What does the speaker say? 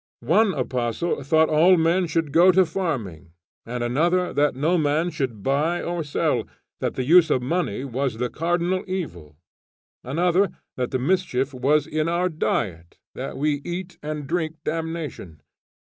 One apostle thought all men should go to farming, and another that no man should buy or sell, that the use of money was the cardinal evil; another that the mischief was in our diet, that we eat and drink damnation.